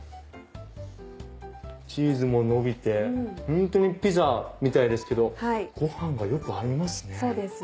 チーズも伸びてホントにピザみたいですけどご飯がよく合いますね。